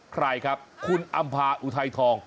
ใครครับคุณอำภาอุทัยทอง